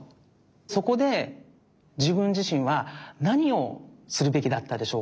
そこでじぶんじしんはなにをするべきだったでしょうか？